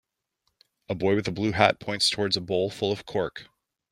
A boy with a blue hat points towards a bowl full of cork.